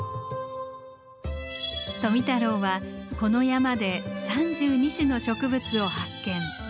富太郎はこの山で３２種の植物を発見。